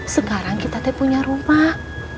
sekarang kita punya rumah